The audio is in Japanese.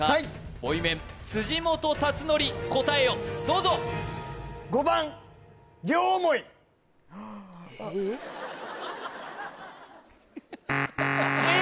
ボイメン辻本達規答えをどうぞえっ？